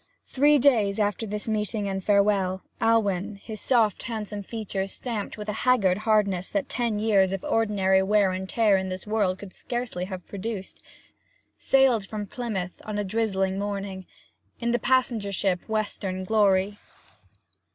Three days after this meeting and farewell, Alwyn, his soft, handsome features stamped with a haggard hardness that ten years of ordinary wear and tear in the world could scarcely have produced, sailed from Plymouth on a drizzling morning, in the passenger ship Western Glory.